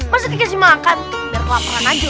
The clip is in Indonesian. mesti dikasih makan biar kelaparan aja